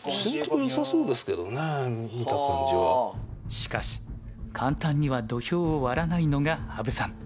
しかし簡単には土俵を割らないのが羽生さん。